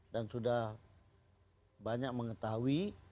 dan sudah banyak mengetahui